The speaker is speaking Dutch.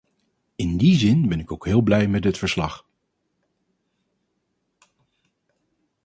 In die zin ben ik ook heel blij met dit verslag.